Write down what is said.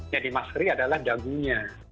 yang dimaskerin adalah dagunya